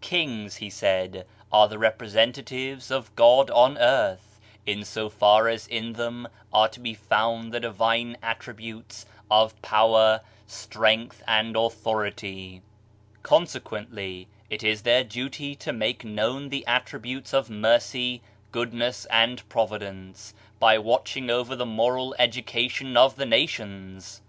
Kings, he said, are the re presentatives of God on earth, in so far as in them are to be found the divine attributes of power, strength and authority : consequently it is their duty I ADRIANOPLE 77 to make known the attributes of mercy, goodness and of providence, by watching over the moral education of the nations